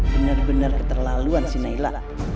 bener bener keterlaluan sih naila